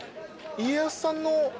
家康さんの。